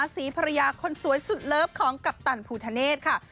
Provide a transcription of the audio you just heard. ศรีภรรยาคนสวยสุดเลิฟของกัปตันภูทะเนธค่ะ